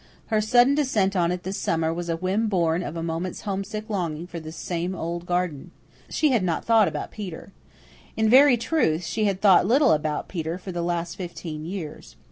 Her sudden descent on it this summer was a whim born of a moment's homesick longing for this same old garden. She had not thought about Peter. In very truth, she had thought little about Peter for the last fifteen years.